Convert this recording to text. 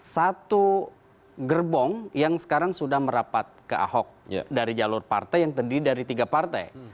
satu gerbong yang sekarang sudah merapat ke ahok dari jalur partai yang terdiri dari tiga partai